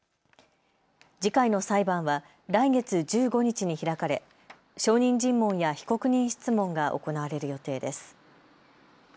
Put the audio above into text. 次回の裁判は来月１５日に開かれ証人尋問や被告人質問が行われる予定です。